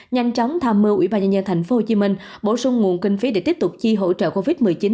nhanh chóng tham mưu ủy ban nhân dân tp hcm bổ sung nguồn kinh phí để tiếp tục chi hỗ trợ covid một mươi chín